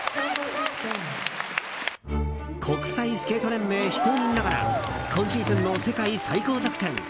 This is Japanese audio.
国際スケート連盟非公認ながら今シーズンの世界最高得点。